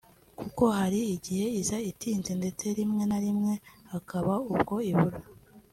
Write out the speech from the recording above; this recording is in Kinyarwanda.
kuko hari igihe iza itinze ndetse rimwe na rimwe hakaba ubwo ibura